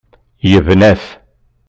Yebna-t.